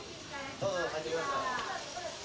どうぞ入ってください。